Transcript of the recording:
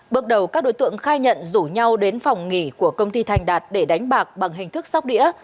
bước đầu các đối tượng khai nhận rủ nhau đến phòng nghỉ của công ty thành đạt để đánh bạc bằng hình thức sóc đĩa